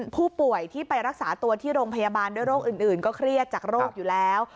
ผู้ป่วยที่ไปรักษาตัวที่โรงพยาบาลด้วยโรคอื่นก็เครียดจากโรคอยู่แล้ว